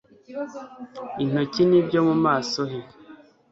intoki n'ibyo mu maso he,